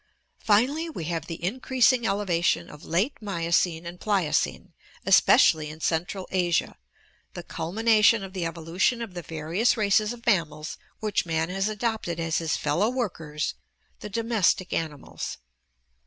Finally, we have with the increasing elevation of late Miocene and Pliocene, especially in central Asia, the culmination of the evolution of the various races of mammals which man has adopted as his fellow workers — the domestic animals.